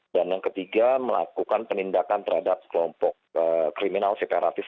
dan yang ketiga melakukan penindakan terhadap kelompok kriminal separatis